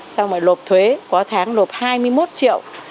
xong rồi lộp thuế có tháng lộp hai mươi một triệu